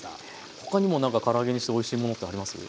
他にもなんかから揚げにしておいしいものってあります？